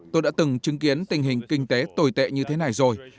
tôi đã từng chứng kiến tình hình kinh tế tồi tệ như thế này rồi